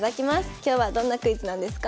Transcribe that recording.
今日はどんなクイズなんですか？